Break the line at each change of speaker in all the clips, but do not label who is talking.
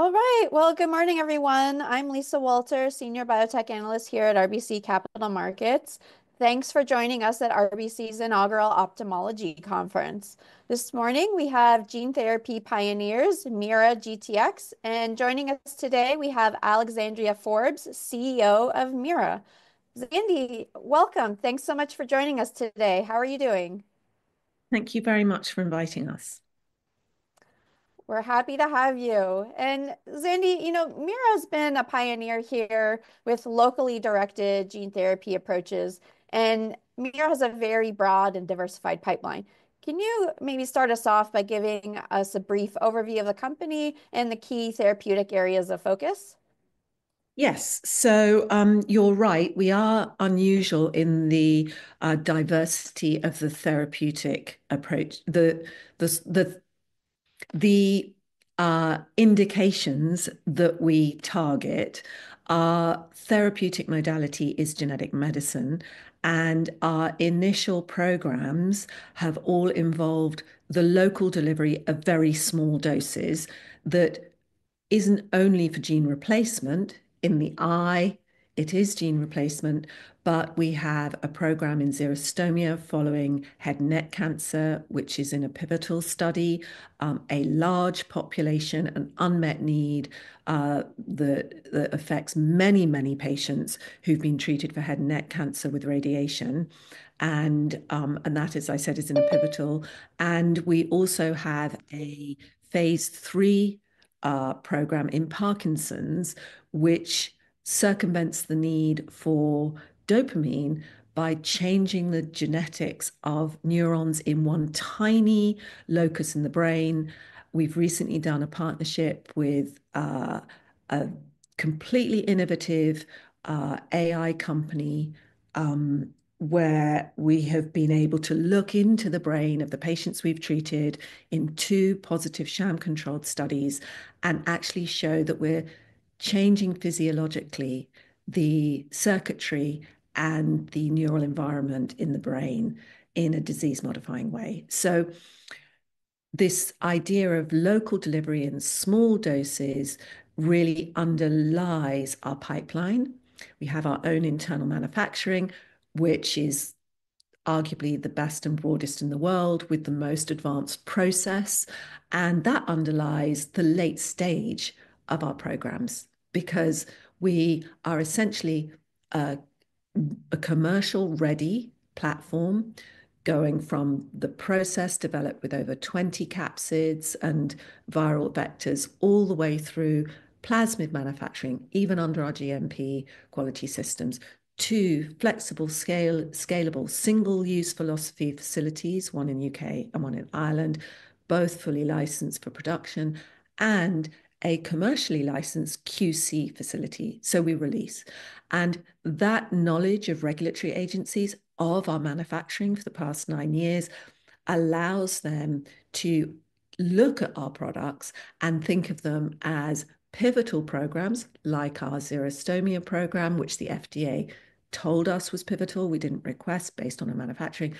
All right. Good morning, everyone. I'm Lisa Walter, Senior Biotech Analyst here at RBC Capital Markets. Thanks for joining us at RBC's Inaugural Ophthalmology Conference. This morning, we have gene therapy pioneers, MeiraGTx, and joining us today, we have Alexandria Forbes, CEO of Meira. Zandy, welcome. Thanks so much for joining us today. How are you doing?
Thank you very much for inviting us.
We're happy to have you. Zandy, you know, Meira has been a pioneer here with locally directed gene therapy approaches, and Meira has a very broad and diversified pipeline. Can you maybe start us off by giving us a brief overview of the company and the key therapeutic areas of focus?
Yes. You're right. We are unusual in the diversity of the therapeutic approach. The indications that we target, our therapeutic modality is genetic medicine, and our initial programs have all involved the local delivery of very small doses. That isn't only for gene replacement in the eye. It is gene replacement, but we have a program in Xerostomia following head and neck cancer, which is in a pivotal study, a large population, an unmet need, that affects many, many patients who've been treated for head and neck cancer with radiation. That, as I said, is in a pivotal. We also have a phase III program in Parkinson's, which circumvents the need for dopamine by changing the genetics of neurons in one tiny locus in the brain. We've recently done a partnership with, a completely innovative, AI company, where we have been able to look into the brain of the patients we've treated in two positive sham-controlled studies and actually show that we're changing physiologically the circuitry and the neural environment in the brain in a disease-modifying way. This idea of local delivery in small doses really underlies our pipeline. We have our own internal manufacturing, which is arguably the best and broadest in the world with the most advanced process. That underlies the late stage of our programs because we are essentially a commercial-ready platform going from the process developed with over 20 capsids and viral vectors all the way through Plasmid manufacturing, even under our GMP quality systems, to flexible scale, scalable single-use philosophy facilities, one in the U.K. and one in Ireland, both fully licensed for production and a commercially licensed QC facility. We release. That knowledge of regulatory agencies of our manufacturing for the past nine years allows them to look at our products and think of them as pivotal programs like our Xerostomia program, which the FDA told us was pivotal. We did not request based on our manufacturing.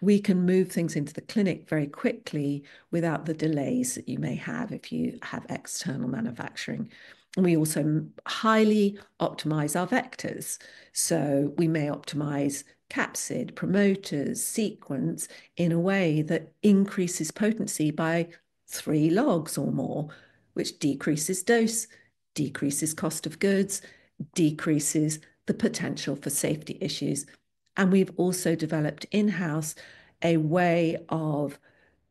We can move things into the clinic very quickly without the delays that you may have if you have external manufacturing. We also highly optimize our vectors. We may optimize capsid, promoters, sequence in a way that increases potency by three logs or more, which decreases dose, decreases cost of goods, decreases the potential for safety issues. We have also developed in-house a way of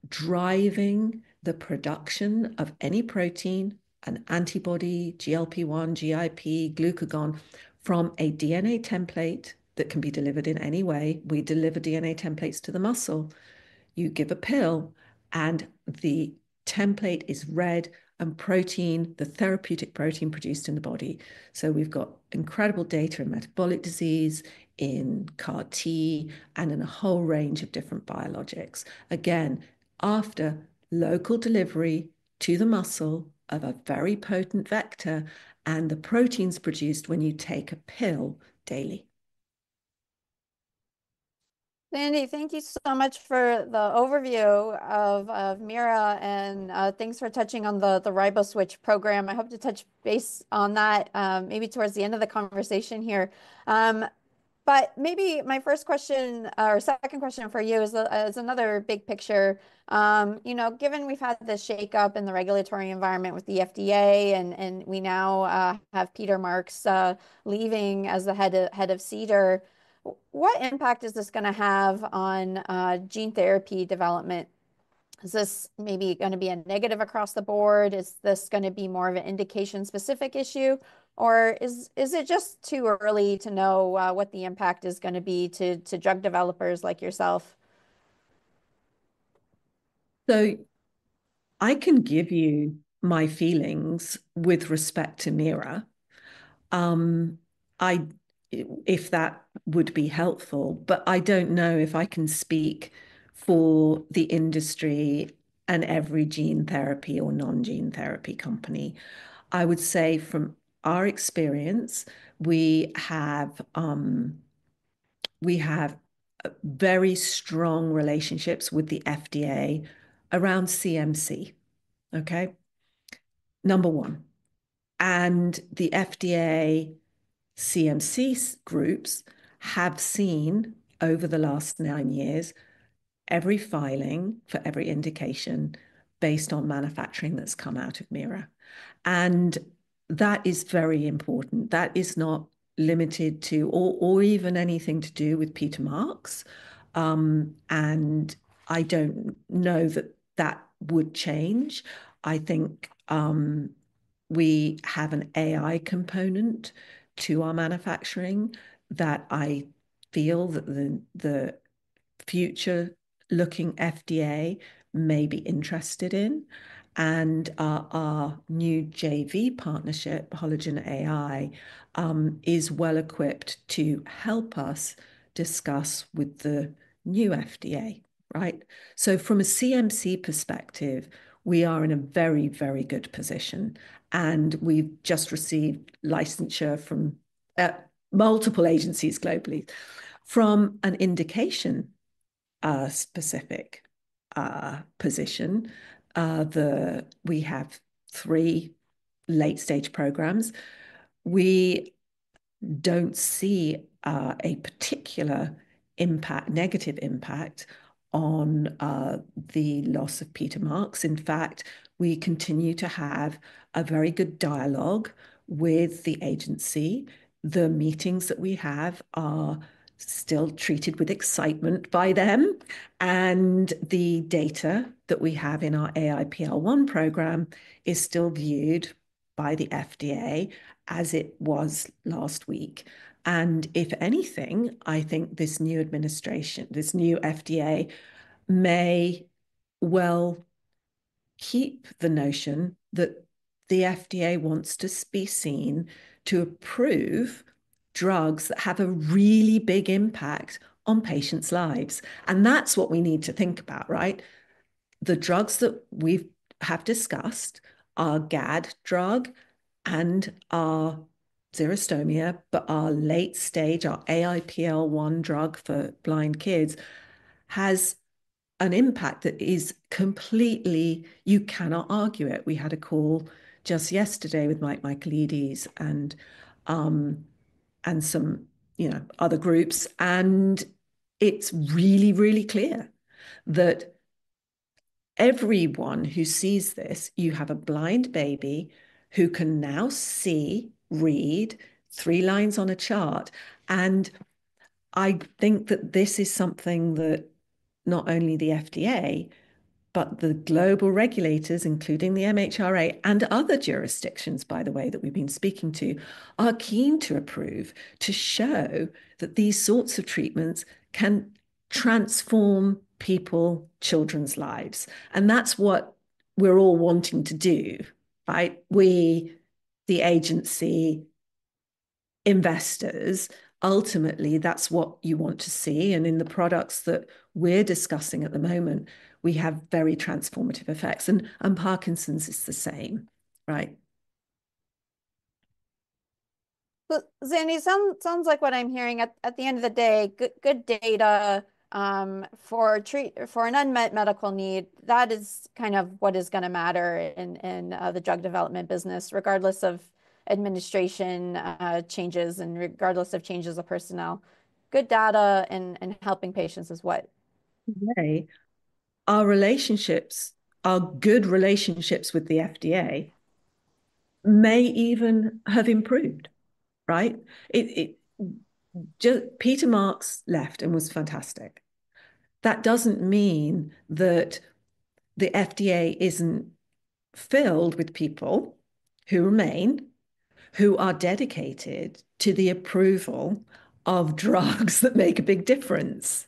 driving the production of any protein, an antibody, GLP-1, GIP, glucagon from a DNA template that can be delivered in any way. We deliver DNA templates to the muscle. You give a pill, and the template is read and protein, the therapeutic protein produced in the body. We have got incredible data in metabolic disease, in CAR-T, and in a whole range of different biologics. Again, after local delivery to the muscle of a very potent vector and the proteins produced when you take a pill daily.
Zandy, thank you so much for the overview of Meira, and thanks for touching on the Riboswitch program I hope to touch base on that maybe towards the end of the conversation here. Maybe my first question or second question for you is another big picture. You know, given we've had this shakeup in the regulatory environment with the FDA, and we now have Peter Marks leaving as the head of CBER, what impact is this going to have on gene therapy development? Is this maybe going to be a negative across the board? Is this going to be more of an indication-specific issue, or is it just too early to know what the impact is going to be to drug developers like yourself?
I can give you my feelings with respect to Meira, if that would be helpful, but I don't know if I can speak for the industry and every gene therapy or non-gene therapy company. I would say from our experience, we have very strong relationships with the FDA around CMC, okay? Number one. The FDA, CMC groups have seen over the last nine years every filing for every indication based on manufacturing that's come out of Meira. That is very important. That is not limited to or even anything to do with Peter Marks. I don't know that that would change. I think we have an AI component to our manufacturing that I feel the future-looking FDA may be interested in. Our new JV partnership, HalogenAI, is well equipped to help us discuss with the new FDA, right? From a CMC perspective, we are in a very, very good position. We have just received licensure from multiple agencies globally. From an indication-specific position, we have three late-stage programs. We do not see a particular impact, negative impact on the loss of Peter Marks. In fact, we continue to have a very good dialogue with the agency. The meetings that we have are still treated with excitement by them. The data that we have in our AAV-AIPL1 program is still viewed by the FDA as it was last week. If anything, I think this new administration, this new FDA may well keep the notion that the FDA wants to be seen to approve drugs that have a really big impact on patients' lives. That is what we need to think about, right? The drugs that we have discussed, our GAD drug and our Xerostomia, but our late-stage, our AAV-AIPL1 drug for blind kids has an impact that is completely, you cannot argue it. We had a call just yesterday with Mike Michaelides and some, you know, other groups. It's really, really clear that everyone who sees this, you have a blind baby who can now see, read three lines on a chart. I think that this is something that not only the FDA, but the global regulators, including the MHRA and other jurisdictions, by the way, that we've been speaking to, are keen to approve, to show that these sorts of treatments can transform people, children's lives. That's what we're all wanting to do, right? We, the agency, investors, ultimately, that's what you want to see. In the products that we're discussing at the moment, we have very transformative effects. Parkinson's is the same, right?
Zandy, it sounds like what I'm hearing at the end of the day, good data for an unmet medical need, that is kind of what is going to matter in the drug development business, regardless of administration changes and regardless of changes of personnel. Good data and helping patients is what.
Our relationships, our good relationships with the FDA may even have improved, right? Peter Marks left and was fantastic. That doesn't mean that the FDA isn't filled with people who remain, who are dedicated to the approval of drugs that make a big difference.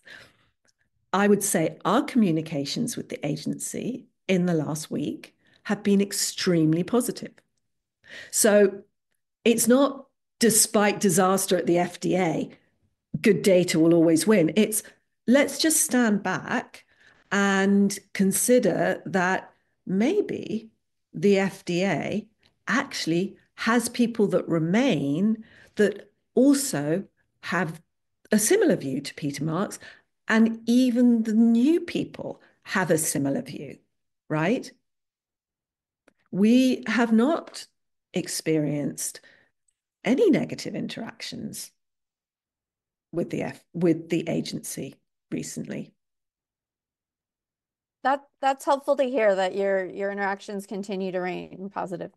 I would say our communications with the agency in the last week have been extremely positive. It's not despite disaster at the FDA, good data will always win. Let's just stand back and consider that maybe the FDA actually has people that remain that also have a similar view to Peter Marks, and even the new people have a similar view, right? We have not experienced any negative interactions with the agency recently.
That's helpful to hear that your interactions continue to remain positive.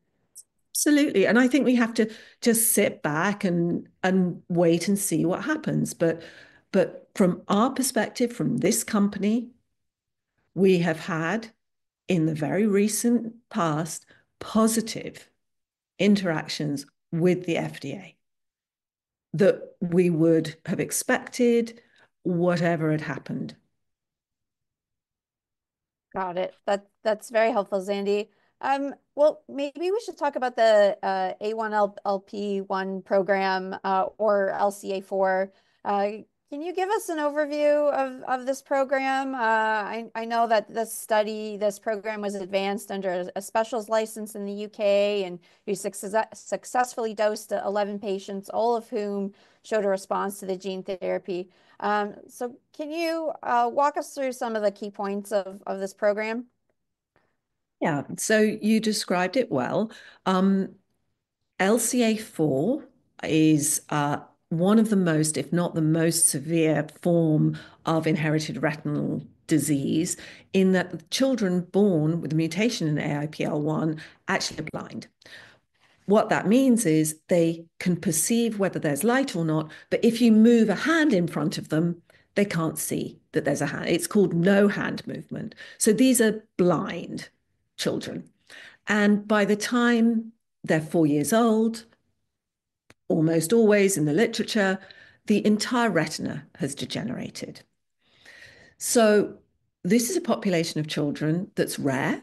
Absolutely. I think we have to just sit back and wait and see what happens. From our perspective, from this company, we have had in the very recent past positive interactions with the FDA that we would have expected whatever had happened.
Got it. That's very helpful, Zandy. Maybe we should talk about the AAV-AIPL1 program or LCA4. Can you give us an overview of this program? I know that this study, this program was advanced under a specialist license in the U.K. and you successfully dosed 11 patients, all of whom showed a response to the gene therapy. Can you walk us through some of the key points of this program?
Yeah. You described it well. LCA4 is one of the most, if not the most, severe forms of inherited retinal disease in that children born with a mutation in AIPL1 actually are blind. What that means is they can perceive whether there's light or not, but if you move a hand in front of them, they can't see that there's a hand. It's called no hand movement. These are blind children. By the time they're four years old, almost always in the literature, the entire retina has degenerated. This is a population of children that's rare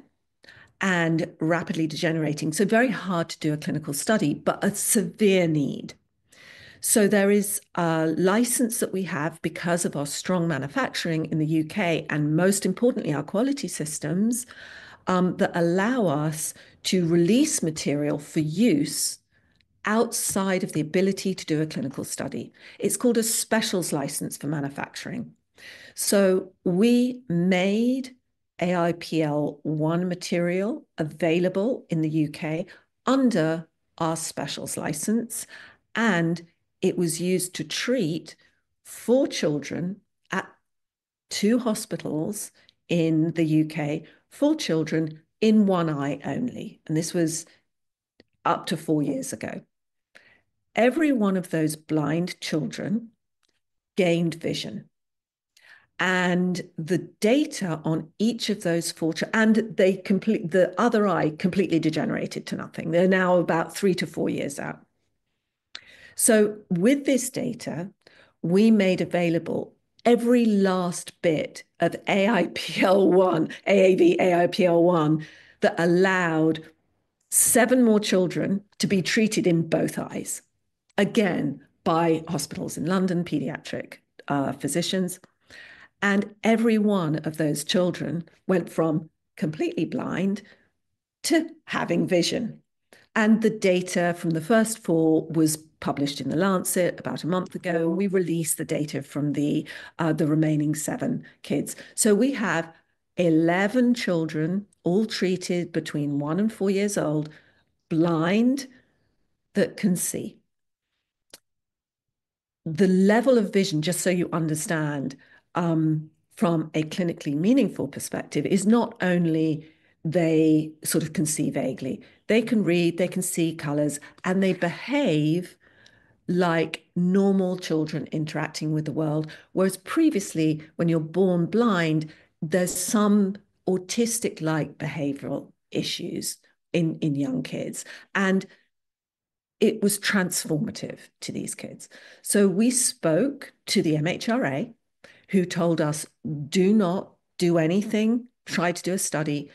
and rapidly degenerating. Very hard to do a clinical study, but a severe need. There is a license that we have because of our strong manufacturing in the U.K. and most importantly, our quality systems that allow us to release material for use outside of the ability to do a clinical study. It's called a specialist license for manufacturing. We made AAV-AIPL1 material available in the U.K. under our specialist license, and it was used to treat four children at two hospitals in the U.K., four children in one eye only. This was up to four years ago. Every one of those blind children gained vision. The data on each of those four children, and the other eye completely degenerated to nothing. They're now about three to four years out. With this data, we made available every last bit of AAV-AIPL1 that allowed seven more children to be treated in both eyes, again, by hospitals in London, pediatric physicians. Every one of those children went from completely blind to having vision. The data from the first four was published in The Lancet about a month ago, and we released the data from the remaining seven kids. We have 11 children all treated between one and four years old, blind that can see. The level of vision, just so you understand, from a clinically meaningful perspective, is not only they sort of can see vaguely. They can read, they can see colors, and they behave like normal children interacting with the world. Whereas previously, when you're born blind, there's some autistic-like behavioral issues in young kids. It was transformative to these kids. We spoke to the MHRA, who told us, do not do anything, try to do a study.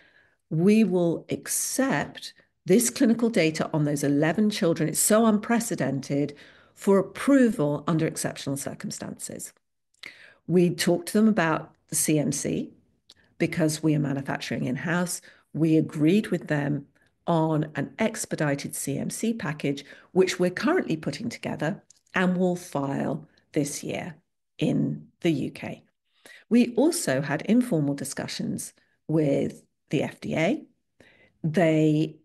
We will accept this clinical data on those 11 children. It is so unprecedented for approval under exceptional circumstances. We talked to them about the CMC because we are manufacturing in-house. We agreed with them on an expedited CMC package, which we are currently putting together and will file this year in the U.K. We also had informal discussions with the FDA. They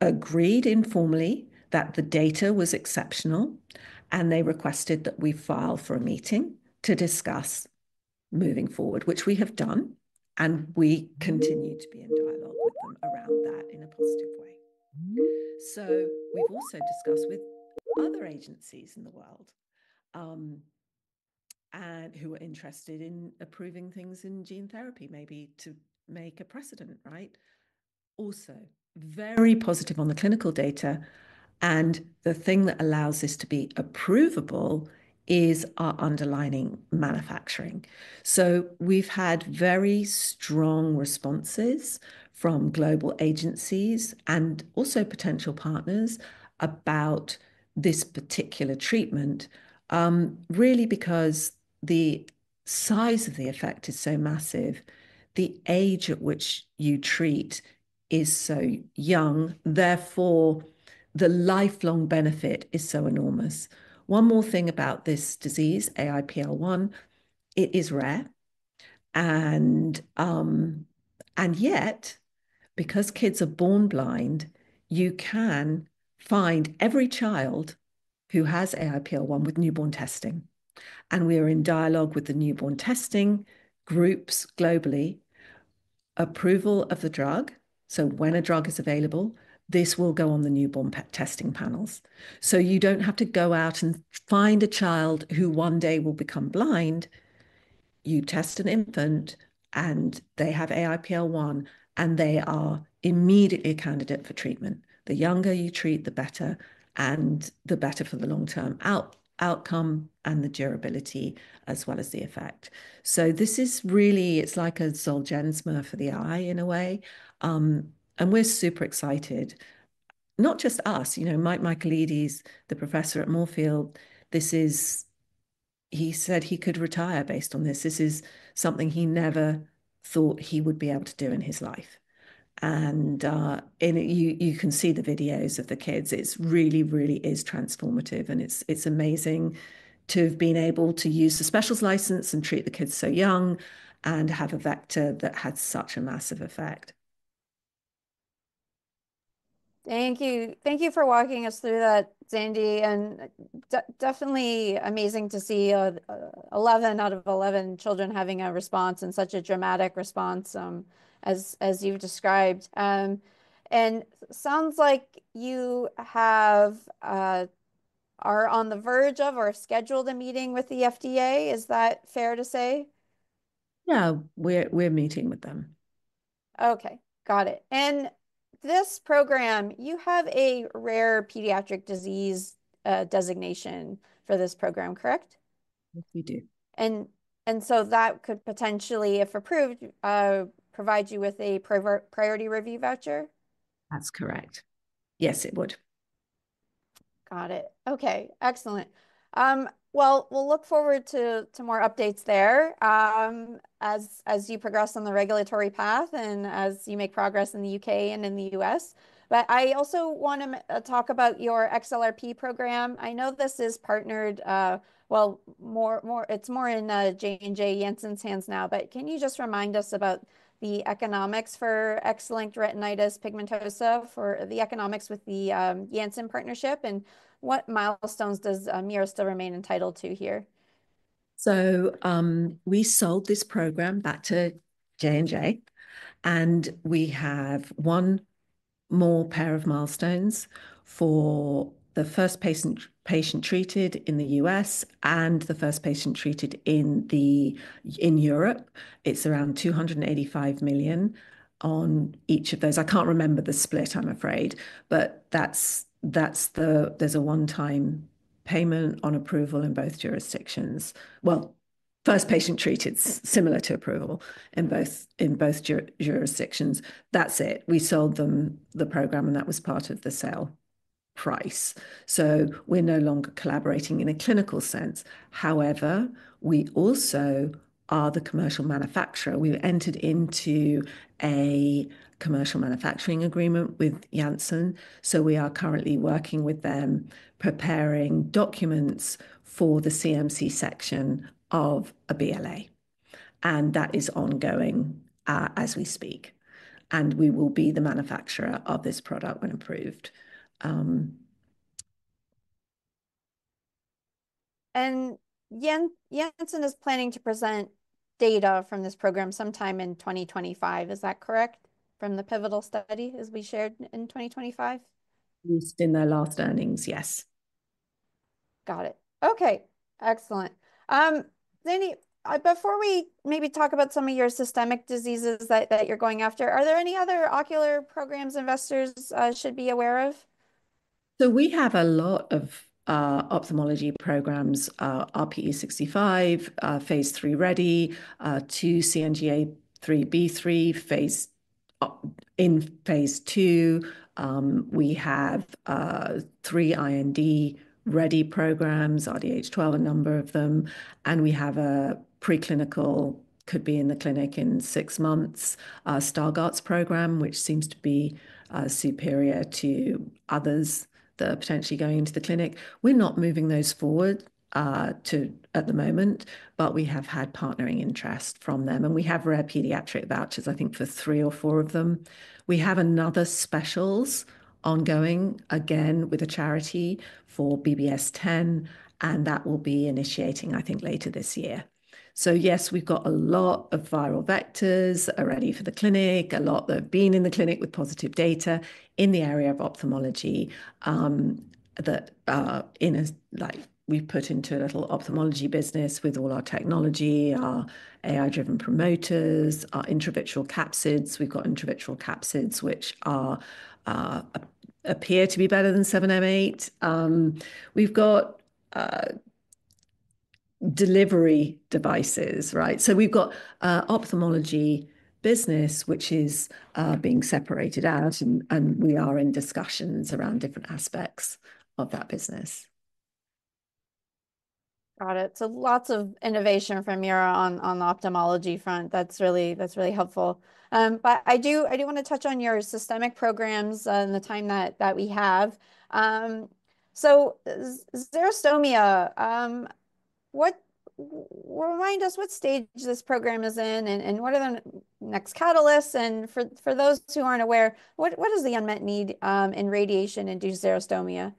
agreed informally that the data was exceptional, and they requested that we file for a meeting to discuss moving forward, which we have done. We continue to be in dialogue with them around that in a positive way. We have also discussed with other agencies in the world who are interested in approving things in gene therapy, maybe to make a precedent, right? Also, very positive on the clinical data. The thing that allows this to be approvable is our underlying manufacturing. We have had very strong responses from global agencies and also potential partners about this particular treatment, really because the size of the effect is so massive. The age at which you treat is so young. Therefore, the lifelong benefit is so enormous. One more thing about this disease, AAV-AIPL1, it is rare. Yet, because kids are born blind, you can find every child who has AAV-AIPL1 with newborn testing. We are in dialogue with the newborn testing groups globally, approval of the drug. When a drug is available, this will go on the newborn testing panels. You do not have to go out and find a child who one day will become blind. You test an infant, and they have AAV-AIPL1, and they are immediately a candidate for treatment. The younger you treat, the better, and the better for the long-term outcome and the durability as well as the effect. This is really, it's like a Zolgensma for the eye in a way. We're super excited. Not just us, you know, Mike Michaelides, the professor at Moorfields, he said he could retire based on this. This is something he never thought he would be able to do in his life. You can see the videos of the kids. It really, really is transformative. It's amazing to have been able to use the specialist license and treat the kids so young and have a vector that had such a massive effect.
Thank you. Thank you for walking us through that, Zandy. It is definitely amazing to see 11 out of 11 children having a response and such a dramatic response as you've described. It sounds like you are on the verge of or scheduled a meeting with the FDA. Is that fair to say?
No, we're meeting with them.
Okay. Got it. This program, you have a rare pediatric disease designation for this program, correct?
Yes, we do.
That could potentially, if approved, provide you with a priority review voucher?
That's correct. Yes, it would.
Got it. Okay. Excellent. We will look forward to more updates there as you progress on the regulatory path and as you make progress in the U.K. and in the U.S. I also want to talk about your XLRP program. I know this is partnered, well, it is more in J&J Janssen's hands now, but can you just remind us about the economics for X-linked retinitis pigmentosa, the economics with the Janssen partnership, and what milestones does Meira still remain entitled to here?
We sold this program back to J&J, and we have one more pair of milestones for the first patient treated in the U.S. and the first patient treated in Europe. It's around $285 million on each of those. I can't remember the split, I'm afraid, but there's a one-time payment on approval in both jurisdictions. First patient treated, similar to approval in both jurisdictions. That's it. We sold them the program, and that was part of the sale price. We are no longer collaborating in a clinical sense. However, we also are the commercial manufacturer. We entered into a commercial manufacturing agreement with Janssen. We are currently working with them preparing documents for the CMC section of a BLA. That is ongoing as we speak. We will be the manufacturer of this product when approved.
Janssen is planning to present data from this program sometime in 2025. Is that correct? From the pivotal study as we shared in 2025?
At least in their last earnings, yes.
Got it. Okay. Excellent. Zandy, before we maybe talk about some of your systemic diseases that you're going after, are there any other ocular programs investors should be aware of?
We have a lot of Ophthalmology programs, RPE65, phase III ready, two CNGA3/CNGB3 in phase II. We have three IND ready programs, RDH12, a number of them. We have a preclinical, could be in the clinic in six months, Stargardt's program, which seems to be superior to others that are potentially going into the clinic. We're not moving those forward at the moment, but we have had partnering interest from them. We have rare pediatric vouchers, I think, for three or four of them. We have another Specials ongoing, again, with a charity for BBS10, and that will be initiating, I think, later this year. Yes, we've got a lot of viral vectors already for the clinic, a lot that have been in the clinic with positive data in the area of ophthalmology that we've put into a little ophthalmology business with all our technology, our AI-driven promoters, our intravitreal capsids. We've got intravitreal capsids, which appear to be better than 7m8. We've got delivery devices, right? We've got ophthalmology business, which is being separated out, and we are in discussions around different aspects of that business.
Got it. So lots of innovation from MeiraGTx on the ophthalmology front. That's really helpful. I do want to touch on your systemic programs and the time that we have. Xerostomia, remind us what stage this program is in and what are the next catalysts? For those who aren't aware, what is the unmet need in radiation-induced Xerostomia?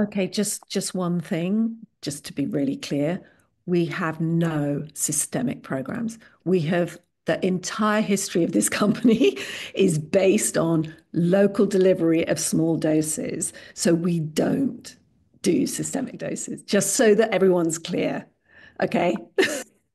Okay, just one thing, just to be really clear. We have no systemic programs. The entire history of this company is based on local delivery of small doses. We do not do systemic doses, just so that everyone's clear, okay?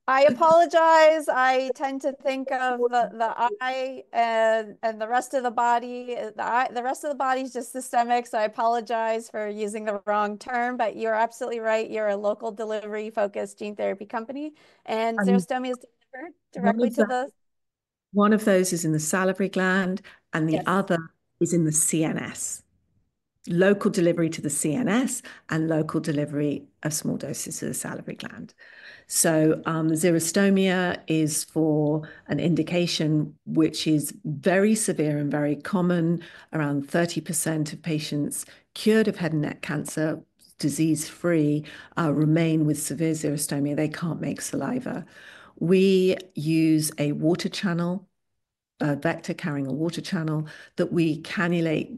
I apologize. I tend to think of the eye and the rest of the body. The rest of the body is just systemic, so I apologize for using the wrong term, but you're absolutely right. You're a local delivery-focused gene therapy company. Xerostomia is delivered directly to the...
One of those is in the salivary gland, and the other is in the CNS. Local delivery to the CNS and local delivery of small doses to the salivary gland. Xerostomia is for an indication which is very severe and very common. Around 30% of patients cured of head and neck cancer, disease-free, remain with severe Xerostomia. They can't make saliva. We use a water channel, a vector-carrying water channel that we cannulate.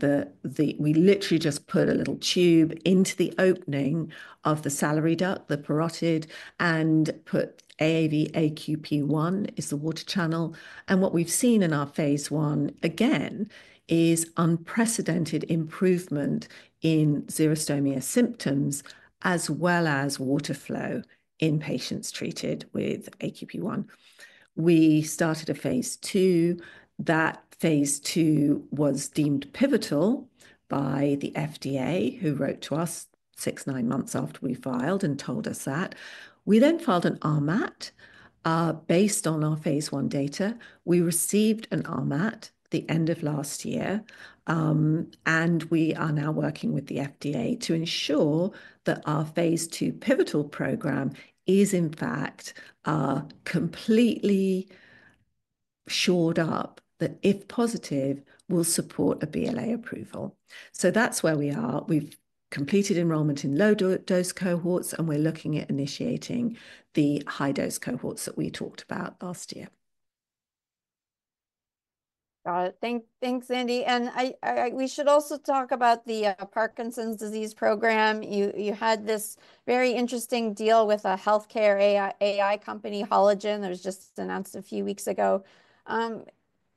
We literally just put a little tube into the opening of the salivary duct, the parotid, and put AAV, AQP1 is the water channel. What we've seen in our phase I, again, is unprecedented improvement in Xerostomia symptoms as well as water flow in patients treated with AQP1. We started a phase II. That phase II was deemed pivotal by the FDA, who wrote to us six, nine months after we filed and told us that. We then filed an RMAT based on our phase I data. We received an RMAT at the end of last year, and we are now working with the FDA to ensure that our phase II pivotal program is, in fact, completely shored up that if positive, will support a BLA approval. That is where we are. We have completed enrollment in low-dose cohorts, and we are looking at initiating the high-dose cohorts that we talked about last year.
Got it. Thanks, Zandy. We should also talk about the Parkinson's disease program. You had this very interesting deal with a healthcare AI company, Halogen. It was just announced a few weeks ago.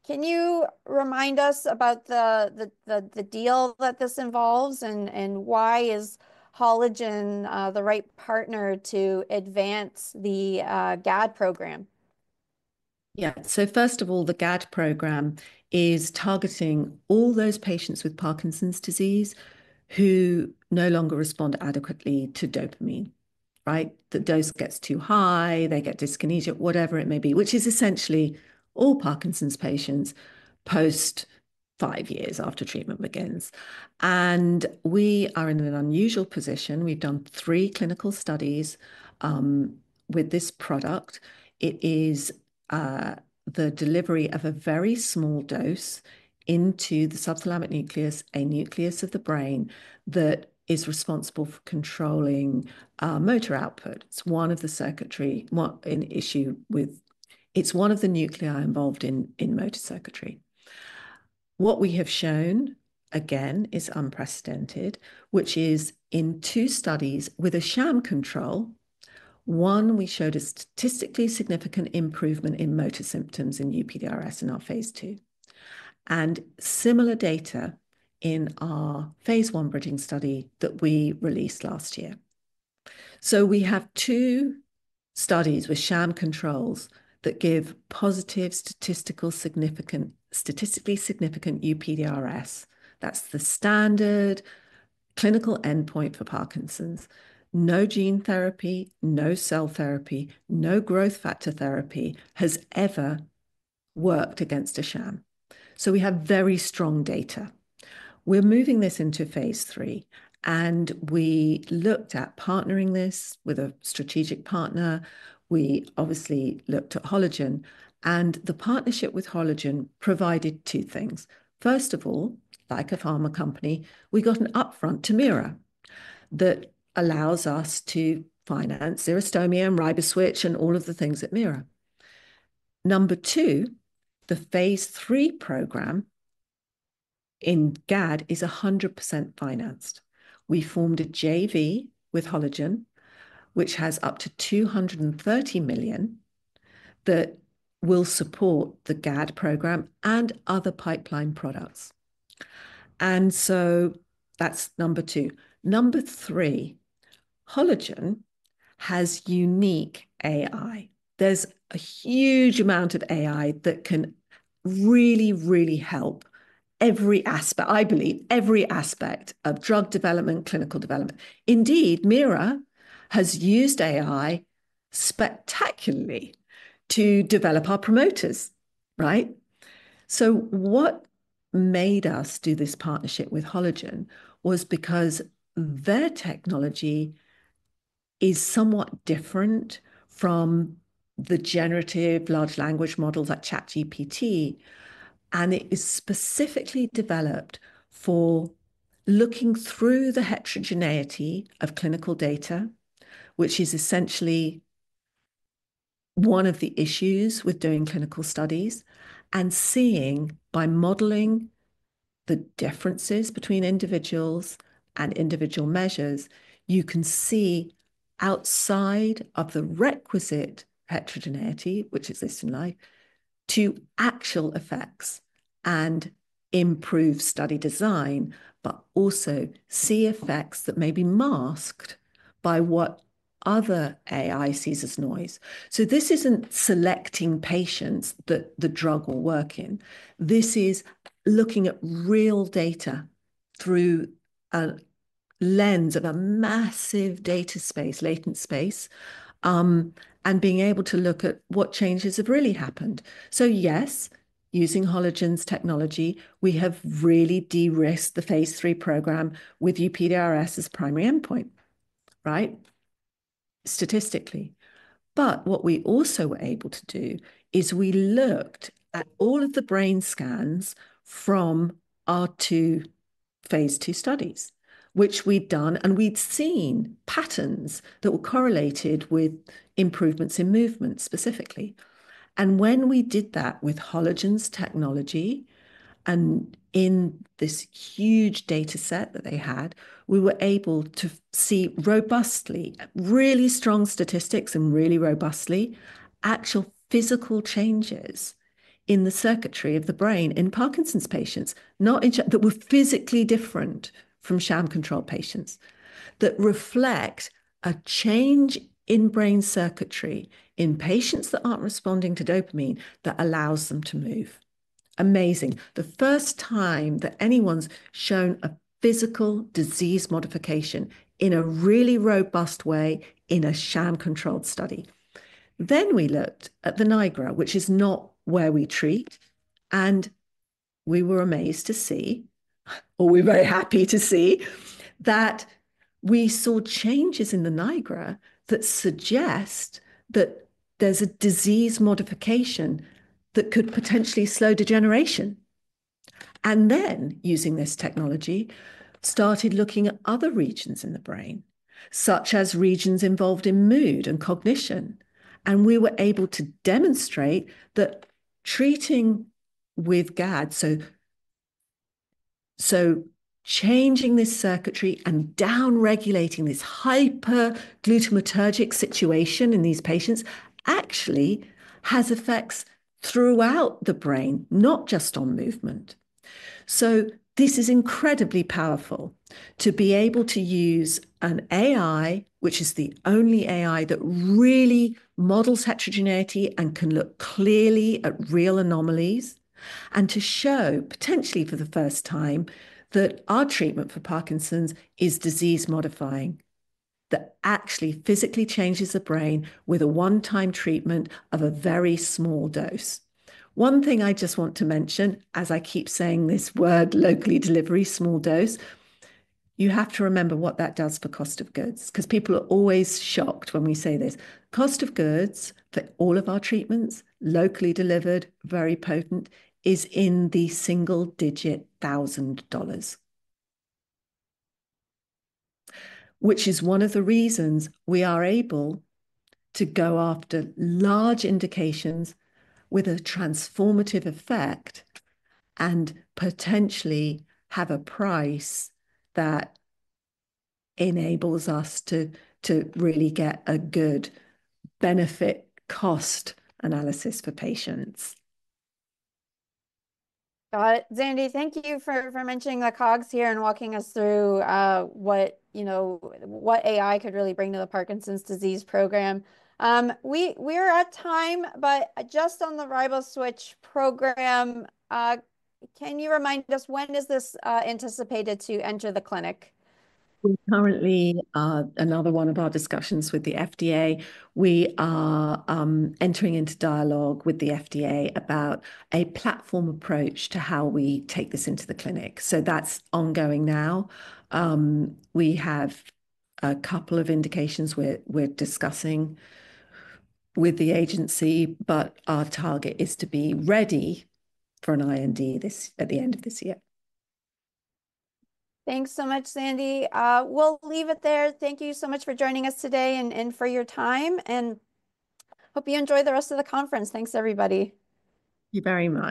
Can you remind us about the deal that this involves and why is Halogen the right partner to advance the GAD program?
Yeah. First of all, the GAD program is targeting all those patients with Parkinson's disease who no longer respond adequately to dopamine, right? The dose gets too high. They get Dyskinesia, whatever it may be, which is essentially all Parkinson's patients post five years after treatment begins. We are in an unusual position. We've done three clinical studies with this product. It is the delivery of a very small dose into the subthalamic nucleus, a nucleus of the brain that is responsible for controlling motor output. It's one of the circuitry issues with... It's one of the nuclei involved in motor circuitry. What we have shown, again, is unprecedented, which is in two studies with a sham control, one, we showed a statistically significant improvement in motor symptoms in UPDRS in our phase II, and similar data in our phase I bridging study that we released last year. We have two studies with sham controls that give positive statistically significant UPDRS. That's the standard clinical endpoint for Parkinson's. No gene therapy, no cell therapy, no growth factor therapy has ever worked against a sham. We have very strong data. We're moving this into phase III, and we looked at partnering this with a strategic partner. We obviously looked at Halogen, and the partnership with Halogen provided two things. First of all, like a pharma company, we got an upfront to Meira that allows us to finance Xerostomia and Riboswitch and all of the things at Meira. Number two, the phase III program in GAD is 100% financed. We formed a JV with Halogen, which has up to $230 million that will support the GAD program and other pipeline products. That's number two. Number three, Halogen has unique AI. There's a huge amount of AI that can really, really help every aspect, I believe, every aspect of drug development, clinical development. Indeed, Meira has used AI spectacularly to develop our promoters, right? What made us do this partnership with Halogen was because their technology is somewhat different from the generative large language models like ChatGPT, and it is specifically developed for looking through the heterogeneity of clinical data, which is essentially one of the issues with doing clinical studies and seeing by modeling the differences between individuals and individual measures, you can see outside of the requisite heterogeneity, which exists in life, to actual effects and improve study design, but also see effects that may be masked by what other AI sees as noise. This isn't selecting patients that the drug will work in. This is looking at real data through a lens of a massive data space, latent space, and being able to look at what changes have really happened. Yes, using HalogenAI's technology, we have really de-risked the phase III program with UPDRS as primary endpoint, right? Statistically. What we also were able to do is we looked at all of the brain scans from our two phase II studies, which we'd done, and we'd seen patterns that were correlated with improvements in movement specifically. When we did that with HalogenAI's technology and in this huge data set that they had, we were able to see robustly, really strong statistics and really robustly, actual physical changes in the circuitry of the brain in Parkinson's patients, not in that were physically different from sham-controlled patients, that reflect a change in brain circuitry in patients that aren't responding to dopamine that allows them to move. Amazing. The first time that anyone's shown a physical disease modification in a really robust way in a sham-controlled study. We looked at the Nigra, which is not where we treat, and we were amazed to see, or we were very happy to see, that we saw changes in the Nigra that suggest that there's a disease modification that could potentially slow degeneration. Using this technology, started looking at other regions in the brain, such as regions involved in mood and cognition. We were able to demonstrate that treating with GAD, so changing this circuitry and downregulating this hyper-glutamaturgic situation in these patients, actually has effects throughout the brain, not just on movement. This is incredibly powerful to be able to use an AI, which is the only AI that really models heterogeneity and can look clearly at real anomalies, and to show potentially for the first time that our treatment for Parkinson's is disease-modifying, that actually physically changes the brain with a one-time treatment of a very small dose. One thing I just want to mention, as I keep saying this word, locally delivery, small dose, you have to remember what that does for cost of goods, because people are always shocked when we say this. Cost of goods for all of our treatments, locally delivered, very potent, is in the single-digit thousand dollars, which is one of the reasons we are able to go after large indications with a transformative effect and potentially have a price that enables us to really get a good benefit-cost analysis for patients.
Got it. Zandy, thank you for mentioning the COGS here and walking us through what AI could really bring to the Parkinson's disease program. We are at time, but just on the Riboswitch program, can you remind us when is this anticipated to enter the clinic?
We're currently in another one of our discussions with the FDA. We are entering into dialogue with the FDA about a platform approach to how we take this into the clinic. That is ongoing now. We have a couple of indications we're discussing with the agency, but our target is to be ready for an IND at the end of this year.
Thanks so much, Zandy. We'll leave it there. Thank you so much for joining us today and for your time, and hope you enjoy the rest of the conference. Thanks, everybody.
Thank you very much.